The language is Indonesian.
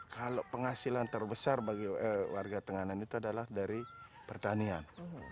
kalau penghasilan terbesar bagi warga tenganan itu adalah dari pertanian